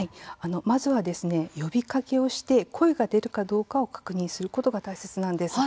まずは呼びかけをして声が出るかどうか確認することが大切です。